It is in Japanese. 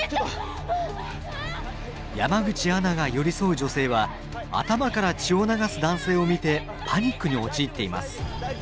山口アナが寄り添う女性は頭から血を流す男性を見てパニックに陥っています。